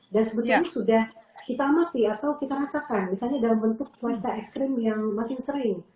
dan sebetulnya sudah kita mati atau kita rasakan misalnya dalam bentuk cuaca ekstrim yang makin sering